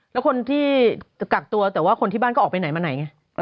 แล้วคนที่กักตัวคนที่บ้านก็ออกไปไหนมาไหนน่ะ